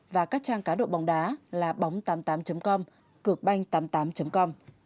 và các trang cá độ bóng đá là bóng tám mươi tám com cượcbanh tám mươi tám com